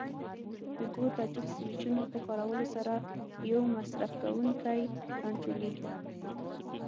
د دوو تبدیل سویچونو په کارولو سره یو مصرف کوونکی کنټرولېږي.